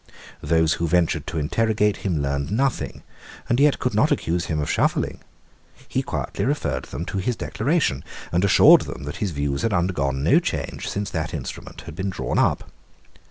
Those who ventured to interrogate him learned nothing, and yet could not accuse him of shuffling. He quietly referred them to his Declaration, and assured them that his views had undergone no change since that instrument had been drawn up.